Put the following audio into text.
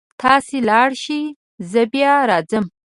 تاسې لاړ شئ زه بیا راځمه